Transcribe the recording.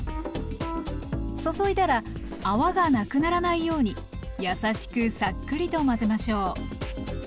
注いだら泡がなくならないようにやさしくサックリと混ぜましょう。